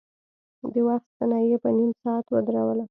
د وخت ستنه يې په نيم ساعت ودروله.